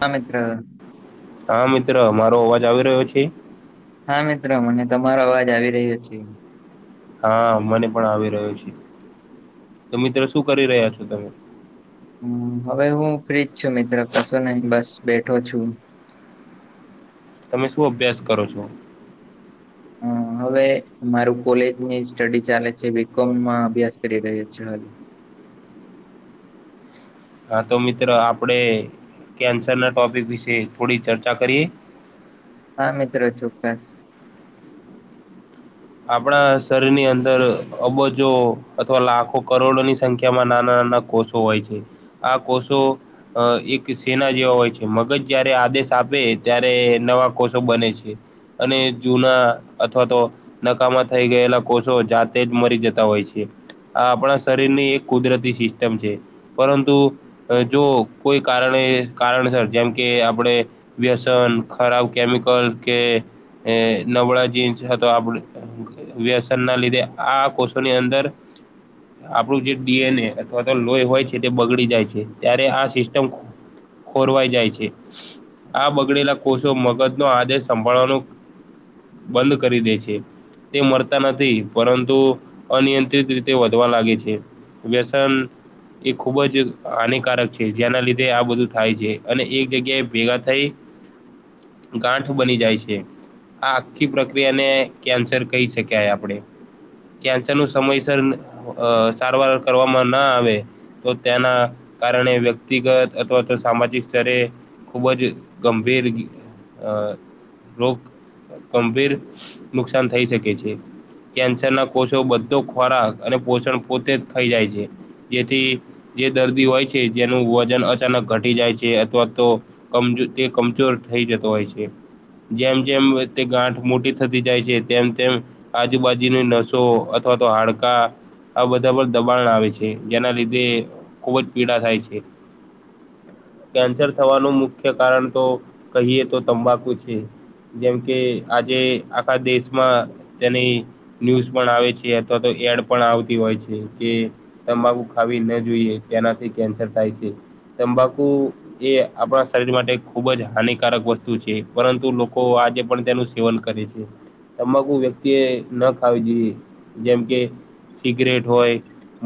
હા મિત્ર હા મિત્ર મારો અવાજ આવી રહ્યો છે હા મિત્રો મને તમારો અવાજ આવી રહ્યો છે. હા મને પણ આવી રહ્યો છે, તો મિત્ર શું કરી રહ્યા છ તમે હું હવે હું ફ્રીજ છું, મિત્ર કશું નહી બસ બેઠો છું. તમે શું અભ્યાસ કરો છો? હું હવે મારું કોલેજની સ્ટડી ચાલે છે, બી કોમમાં અભ્યાસ કરી રહ્યો છું. હા, તો મિત્ર આપણે કેન્સરના ટોપિક વિશે થોડી ચર્ચા કરીએ હા મિત્રો ચોક્કસ આપણા શરીરની અંદર અબજો અથવા લાખો કરોડોની સંખ્યામાં નાના નાના કો ષો હોય છે, આ કોષો અ એક સેના જેવા હોય છે, મગજ જયારે આદેશ આપે ત્યારે નવા કોષો બને છે‌. અને જૂના અથવા તો નકામાં થઈ ગયેલા કોષો જાતે જ મરી જતા હોય છે. આ આપણા શરીરની એક કુદરતી સિસ્ટમ છે, પરંતુ જો કોઈ કારણે કારણસર જેમ કે, આપણે વ્યસન ખરાબ કેમિકલ કે નબળા જીન્સ તો આપડે વ્યસનના લીધે આ કોષોની અંદર આપણું જે ડીએનએ અથવા તો લોહી હોય છે, તે બગડી જાય છે, ત્યારે આ સિસ્ટમ ખોરવાઈ જાય છે. આ બગડેલા કોષો મગજ નો આદેશ સંભાળવાનું બંધ કરી દે છે. તે મળતા નથી પરંતુ અનિયંત્રિત રીતે વધવા લાગે છે. વ્યસન એ ખૂબ જ હાનિકારક છે, જેના લીધે આ બધું થાય છે, અને એક જગ્યાએ ભેગા થઈ ગાંઠ બની જાય છે, આ આખી પ્રક્રિયાને કેન્સર કહી શકાય આપડે. કેન્સર નું સમયસર અ સારવાર કરવામાં ના આવે તો તેના કારણે વ્યક્તિગત અથવા તો સામાજિક સ્તરે ખૂબ જ ગંભીર અ રોગ ગંભીર નુકસાન થઈ શકે છે. કેન્સરના કોષો બધો ખોરાક અને પોષણ પોતે જ ખાઈ જાય છે, જેથી જે દર્દી હોય છે, જેનું વજન અચાનક ઘટી જાય છે, અથવા તો તે કમજોર થઈ જતો હોય છે, જેમ જેમ તે ગાંઠ મોટી થતી જાય છે, તેમ તેમ આજુબાજુની નસો અથવા તો હાડકાં આ બધા પર દબાણ આવે છે, જેના લીધે ખુબ જ પીડા થાય છે. કેન્સર થવાનું મુખ્ય કારણ તો કહીએ તો તંબાકુ છે. જેમ કે આજે આખા દેશમાં તેની ન્યૂઝ પણ આવે છે, અથવા તો એડ પણ આવતી હોય છે, કે તંબાકુ ખાવીના જોઈએ તેનાથી કેન્સર થાય છે, તંબાકુ એ આપણા શરીર માટે ખુબ જ હાનિકારક વસ્તુ છે, પરંતુ લોકો આજે પણ તેનું સેવન કરે છે, તમાકુ વ્યક્તિએ ન ખાવી જોઈએ. જેમકે સિગરેટ હોય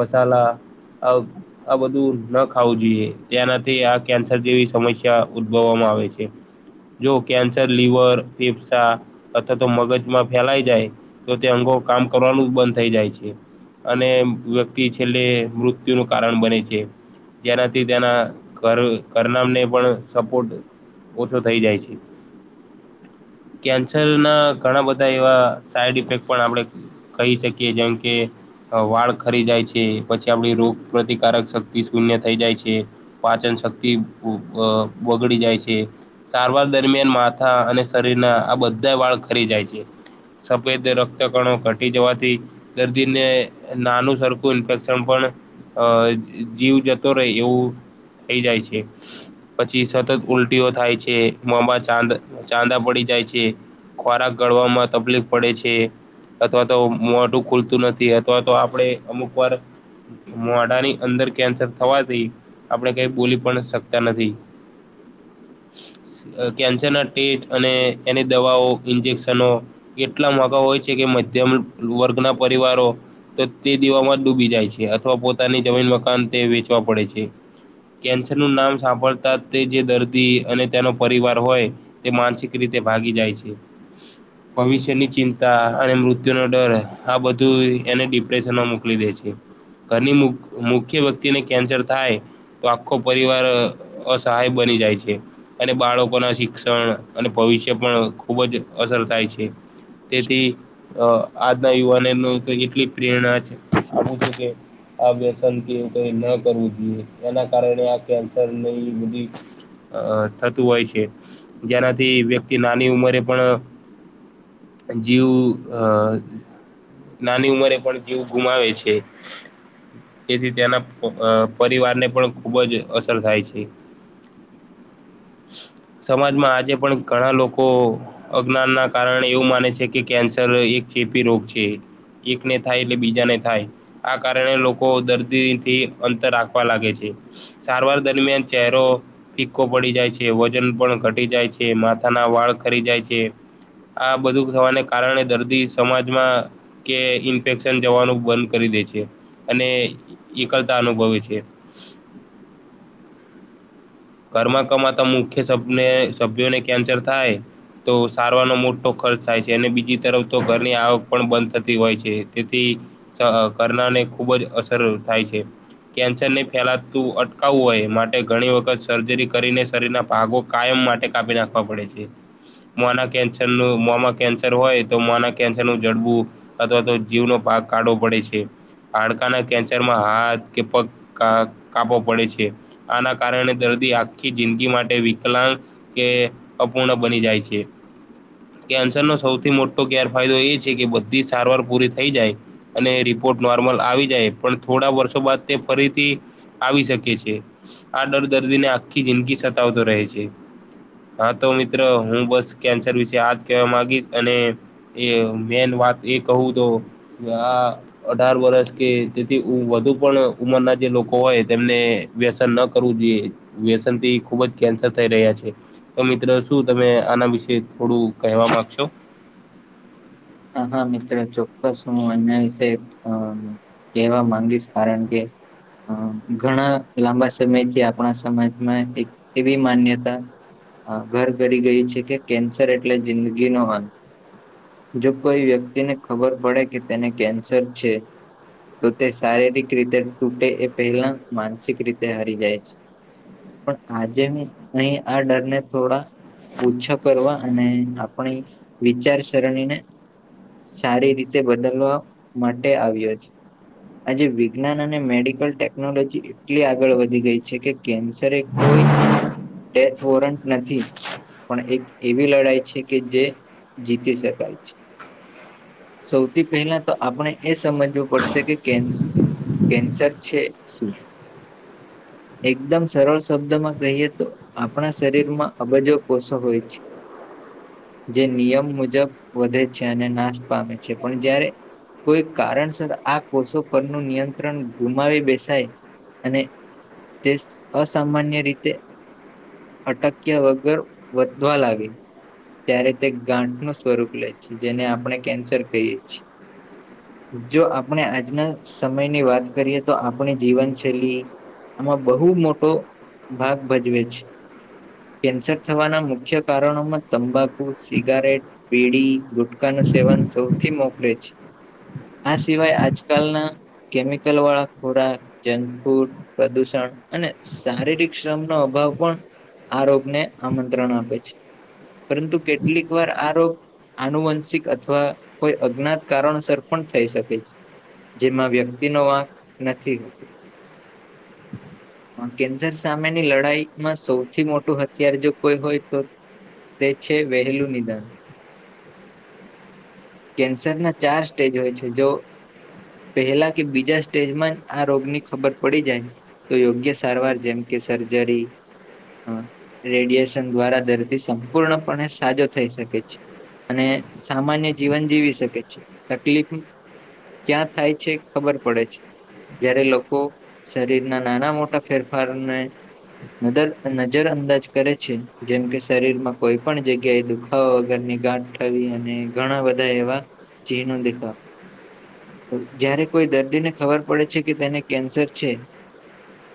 મસાલા. અ આ બધું ન ખાવું જોઈએ, તેનાથી આ કેન્સર જેવી સમસ્યા ઉદ્ભભવામાં આવે છે. જો કેન્સર લીવર ફેફસાં તો તો મગજમાં ફેલાઈ જાયતો તે અંગો કામ કરવાનું જ બંધ થઈ જાય છે. અને વ્યક્તિ છેલ્લે મૃત્યુનું કારણ બને છે. જેનાથી તેના ઘર ઘરનામને પણ સપોર્ટ ઓછો થઈ જાય છે, કેન્સર ના ઘણા બધા એવા સાઈડ ઇફેક્ટ પણ આપડે કહી શકીએ જેમ કે વાળ ખરી જાય છે પછી આપણી રોગ પ્રતિ કારક શક્તિ શૂન્ય થઈ જાય છે પાચન શક્તિ બ બગડી જાય છે. સારવાર દરમિયાન માથા અને શરીરના આ બધાય વાળ ખરી જાય છે. સફેદ રક્ત કણો ઘટી જવાથી દર્દીને નાનું સરખું ઇન્ફેક્શન પણ અ જીવ જતો રહે એવું થઈ જાય છે. પછી સતત ઉલટીઓ થાય છે મોમા ચાંદ ચાંદા પડી જાય છે. ખોરાક ગળવામાં તપલીફ પડે છે. અથવા તો મોઢુ ખુલતું નથી અથવા તો આપણે અમુક વાર મોઢાની અંદર કેન્સર થવાથી આપણે કઈ બોલી પણ શકતા નથી. અ કેન્સર ના ટેસ્ટ અને એની દવાઓ ઇન્જેક્શનો એટલા મોઘા હોય છે કે મધ્યમ વર્ગના પરિવારો તો તે દેવામાં ડૂબી જાય છે અથવા પોતાની જમીન મકાન તે વેચવા પડે છે. કેન્સર નું નામ સાંભળતા તે જે દર્દી અને તેનો પરિવાર હોય તે માનસિક રીતે ભાગી જાય છે. ભવિષ્યની ચિંતા અને મૃત્યુનો ડર આ બધું એને ડિપ્રેશનમાં મોકલી દે છે. ઘરની મુખ મુખ્ય વ્યક્તિને કેન્સર થાય તો આખો પરિવાર અસહાય બની જાય છે. અને બાળકો ના શિક્ષણ અને ભવિષ્ય પણ ખુબ જ અસર થાય છે તેથી અ આજના યુવાનેનો તો એટલી પ્રેરણા છે [unintelligible] કે આ વ્યસન કે એવું કઈ ન કરવું જોઈએ એના કારણે આ કેન્સરની બધી અ થતું હોય છે જેનાથી વ્યક્તિ નાની ઉંમરે પણ જીવ અ નાની ઉંમરે પણ જીવ ગુમાવે છે. તેથી તેના પ અ પરિવારને પણ ખુબ જ અસર થાય છે. સમાજમાં આજે પણ ઘણા લોકો અજ્ઞાન ના કારણે એવું માને છે કે કેન્સર એક ચેપી રોગ છે. એકને થાય એટલે બીજાને થાય. આ કારણે લોકો દર્દીથી અંતર રાખવા લાગે છે. સારવાર દરમિયાન ચહેરો ફિક્કો પડી જાય છે, વજન પણ ઘટી જાય છે, માથા ના વાળ ખરી જાય છે આ બધું થવાને કારણે દર્દી સમાજમાં કે ઇન્ફેક્શન જવાનું બંધ કરી દે છે અને એકલતા અનુભવે છે. ઘરમાં કમાતા મુખ્ય સપને સભ્યોને કેન્સર થાય તો સારવારનો મોટો ખર્ચ થાય છે અને બીજી તરફ તો ઘરની આવક પણ બંધ થતી હોય છે તેથી સ અ ઘરનાને ખૂબ જ અસર થાય છે. કેન્સરને ફેલાતું અટકાવવું હોય એ માટે ઘણી વખત સર્જરી કરીને શરીર ના ભાગો કાયમ માટે કાપી નાખવા પડે છે. મો ના કેન્સરનું મોમાં કેન્સર હોય તો મો ના કેન્સર નું જડબું અથવા તો જીવનો ભાગ કાડો પડે છે. હાડકાના કેન્સરમાં હાથ કે પગ કા કાપો પડે છે. આના કારણે દર દી આખી જિંદગી માટે વિકલાંગ કે અપૂર્ણ બની જાય છે. કેન્સર નો સૌથી મોટો ગેરફાયદો એ છે કે બધી સારવાર પૂરી થઈ જાય અને રિપોર્ટ નોર્મલ આવી જાય પણ થોડા વર્ષો બાદ તે ફરીથી આવી શકે છે આ ડર દર્દીને આખી જિંદગી સતાવતો રહે છે. હા તો મિત્ર હું બસ કેન્સર વિશે આજ કેવા માંગીશ અને એ મેન વાત એ કહું તો આ અઢાર વરસ કે તેથી ઉ વધુ પણ ઉંમરના જે લોકો હોય તેમને વ્યસન ન કરવું જોઈએ વ્યસન થી ખુબ જ કેન્સર થઈ રહ્યા છે. તો મિત્રો શું તમે આના વિશે થોડું કહેવા માંગશો. હા હા મિત્ર ચોક્કસ હું એના વિશે આ કેવા માંગીશ કારણ કે આ ઘણા લાંબા સમયથી આપણા સમાજમાં એક એવી માન્યતા હા ઘર કરી ગઈ છે કે કેન્સર એટલે જિંદગીનો અંત. જો કોઈ વ્યક્તિને ખબર પડે કે તેને કેન્સર છે તો તે શારીરિક રીતે તૂટે એ પહેલા માનસિક રીતે હરી જાય છે. પણ આજે હું અહીં આ ડર ને થોડા ઓછા કરવા અને આપણી વિચારસરણીને સારી રીતે બદલવા માટે આવ્યો [unintelligible] આજે વિજ્ઞાન અને મેડિકલ ટેકનોલોજી એટલી આગળ વધી ગઈ છે કે કેન્સરે એ કોઈ ડેથ વોરન્ટ નથી. પણ એક એવી લડાઈ છે કે જે જીતી શકાય છે. સૌથી પહેલા તો આપણે એ સમજવું પડશે કે કેન્સ કેન્સર છે શું. એકદમ સરળ શબ્દ માં કહીએ તો આપણા શરીર માં અબજો કોષો હોય છે. જે નિયમ મુજબ વધે છે અને નાશ પામે છે પણ જ્યારે કોઈ કારણસર આ કોષો પરનું નિયંત્રણ ગુમાવી બેસાય અને તે અસામાન્ય રીતે અટક્યા વગર વધવા લાગે. ત્યારે તે ગાંઠનું સ્વરૂપ લે છે જેને આપણે કેન્સર કહીએ છીએ. જો આપણે આજના સમયની વાત કરીએ તો આપણી જીવનશૈલી આમાં બહુ મોટો ભાગ ભજવે છે. કેન્સર થવાના મુખ્ય કારણોમાં તંબાકુ સિગારેટ બીડી ગુટકા નું સેવન સૌથી મોકરે છે આ સિવાય આજકાલના કેમિકલ વાળા ખોરા જંક ફૂડ પ્રદૂષણ અને શારીરિક શ્રમનો અભાવ પણ આ રોગ ને આમંત્રણ આપે છે પરંતુ કેટલીક વાર આ રોગ આનુવંશિક અથવા કોઈ અજ્ઞાત કારણોસર પણ થઈ શકે છે. જેમાં વ્યક્તિ નો વાંક નથી હોતું. [inaudible] હા કેન્સર સામેની લડાઈમાં સૌથી મોટું હથિયાર જો કોઈ હોય તો તે છે વહેલું નિદાન. કેન્સર ના ચાર સ્ટેજ હોય છે જો પહેલા કે બીજા સ્ટેજમાં જ આ રોગ ની ખબર પડી જાય. તો યોગ્ય સારવાર જેમ કે સર્જરી હ રેડિયેશન દ્વારા દર્દી સંપૂર્ણપણે સાજો થઈ શકે છે. અને સામાન્ય જીવન જીવી શકે છે તકલીફ ક્યાં થાય છે ખબર પડે છે. જયારે લોકો શરીર ના નાના મોટા ફેરફારો ને નાદર નજર અંદાજ કરે છે જેમ કે શરીરમાં કોઈ પણ જગ્યાએ દુઃખ હા વગરની ગાંઠ આવી અને ઘણા બધા એવા ચીનો દેખાવ હો જયારે કોઈ દર્દીને ખબર પડે છે કે તેને કેન્સર છે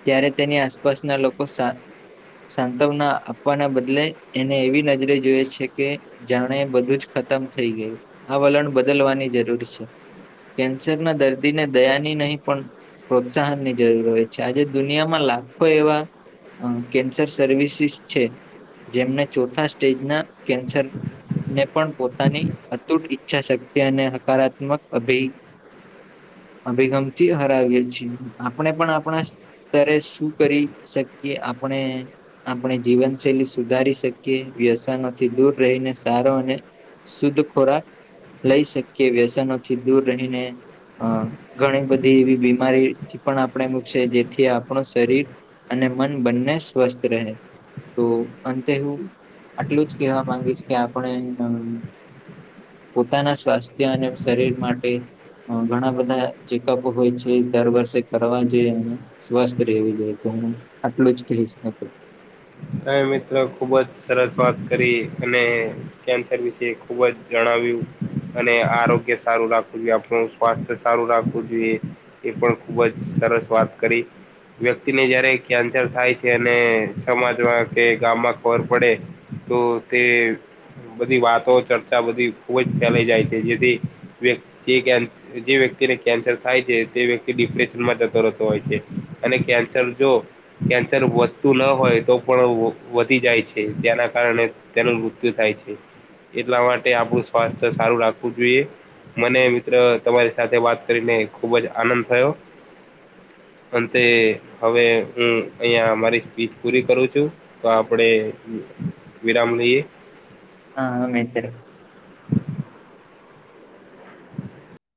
ત્યારે તેની આસપાસના લોકો સા. સાંતવના આપવાના બદલે એને એવી નજરે જોયે છે કે જાણે બધું. ખતમ થઈ ગયું આ વલણ બદલવાની જરૂર છે. કેન્સર ના દર્દીને દયાની નહી પણ. પ્રોત્સાહન ની જરૂર હોય છે આજે દુનિયામાં લાખો એવા. અ કેન્સર સર્વિસીસ છે જેમને ચોથા સ્ટેજના કેન્સર. પણ પોતાની અતુટ ઈચ્છા શક્તિ અને હકારાત્મક અભિ. અભિગમથી હરાવીએ છીએ આપણે પણ આપણા. અત્યારે શું કરી શકીએ આપણે. આપણે જીવનશૈલી સુધારી શકીએ વ્યસનોથી દૂર રહીને સારો અને. શુદ્ધ ખોરાક લઈ શકીએ વ્યસનોથી દૂર રહીને. હ ઘણી બધી એવી બીમારી પણ આપણે મૂકશે જેથી આપણું શરીર. અને મન બંને સ્વસ્થ રહે. તો અંતે હું આટલું જ કેહેવા માંગીશ કે આપણે. [inaudible] પોતાના સ્વાસ્થ્ય અને શરીર માટે. ઘણા બધા ચેકઅપ હોય છે દર વર્ષે કરવા જોઈએ અને. સ્વસ્થ રહેવુ જોઈએ તો હું આટલું જ કહીશ. અરે મિત્ર ખુબ જ સરસ વાત કરી અને. કેન્સર વિશે ખુબ જ જણાવ્યું. અને આરોગ્ય સારું રાખવું જોઈએ આપણું સ્વાસ્થ્ય સારું રાખવું જોઈએ. એ પણ ખુબ જ સરસ વાત કરી. વ્યક્તિને જયારે કેન્સર થાય છે અને સમાજ. કે ગામમાં ખબર પડે તો તે. બધી વાતો ચર્ચા બધી ખુબ જ ફેલાય જાય છે જેથી વ્યક્તિ. જે વ્યક્તિને કેન્સર થાય છે તે વ્યક્તિ ડિપ્રેશનમાં જતો રહેતો હોય છે અને કેન્સર જો. કેન્સર વધતું ન હોય તો. પણ વધી જાય છે જેના કારણે તેનું મૃત્યુ થાય છે. એટલા માટે આપણું સ્વાસ્થ્ય સારું રાખવું જોઈએ. મને મિત્ર તમારી સાથે વાત કરીને ખુબ જ આનંદ થયો. અંતે હવે હું અહીંયા અ મારી સ્પીચ પૂરી કરું છું. તો આપડે વિરામ લઈએ. હા હા મિત્ર. [inaudible] [inaudible]